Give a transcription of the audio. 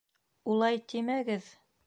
Улай тимәгеҙ...